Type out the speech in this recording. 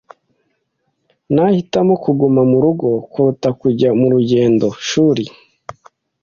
Nahitamo kuguma murugo kuruta kujya mu rugendo shuri.